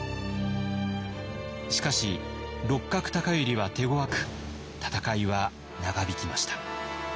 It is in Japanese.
しかし六角高頼は手ごわく戦いは長引きました。